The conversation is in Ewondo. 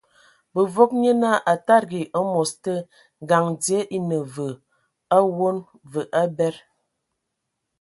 Bǝvɔg nye naa a tadigi amos te, ngaŋ dzie e ne ve awon, və abed.